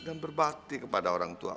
dan berbakti kepada orang tua